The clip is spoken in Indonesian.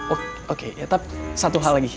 oh oke tapi satu hal lagi